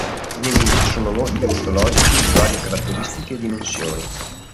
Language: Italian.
I nemici sono mostri mitologici di varie caratteristiche e dimensioni.